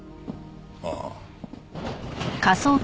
ああ。